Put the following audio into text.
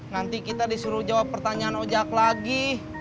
nanti kita disuruh jawab pertanyaan ojak lagi